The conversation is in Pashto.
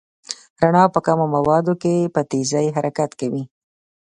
رڼا په کمو موادو کې په تېزۍ حرکت کوي.